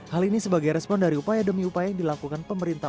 hal ini sebagai respon dari upaya demi upaya yang dilakukan pemerintah